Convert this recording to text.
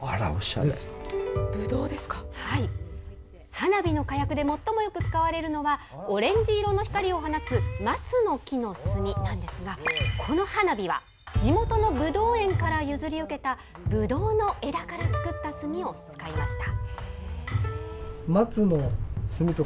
花火の火薬で最もよく使われるのは、オレンジ色の光を放つ、松の木の炭なんですが、この花火は地元のぶどう園から譲り受けたぶどうの枝から作った炭を使いました。